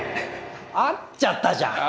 合っちゃったじゃん。